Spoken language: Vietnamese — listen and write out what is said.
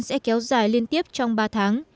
sẽ kéo dài liên tiếp trong ba tháng